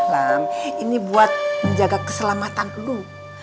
lum ini buat menjaga keselamatan lu